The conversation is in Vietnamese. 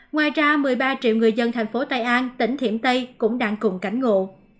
ngoài ra một mươi ba triệu người dân thành phố tây an tỉnh thiểm tây cũng đang cùng cảnh ngộ